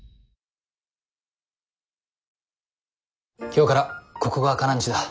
今日からここがカナんちだ。